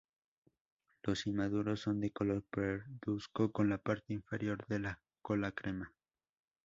Los inmaduros son de color parduzco con la parte inferior de la cola crema.